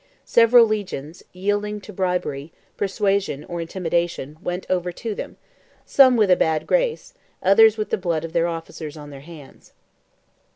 Several legions, yielding to bribery, persuasion, or intimidation, went over to them, some with a bad grace, others with the blood of their officers on their hands.